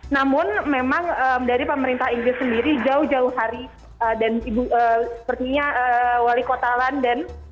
namun memang dari pemerintah inggris sendiri jauh jauh hari dan sepertinya wali kota london